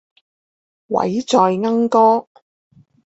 位在鶯歌